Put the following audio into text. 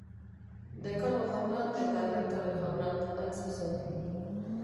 Dekano jauna eta Errektore jauna, hain zuzen.